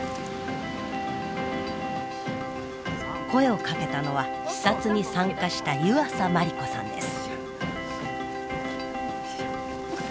声をかけたのは視察に参加した湯浅万里子さんです。